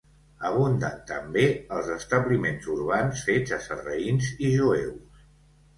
Abunden també els establiments urbans fets a sarraïns i jueus.